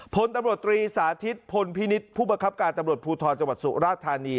พลตำรวจตรีสาธิตพลพินิษฐ์ผู้บังคับการตำรวจภูทรจังหวัดสุราธานี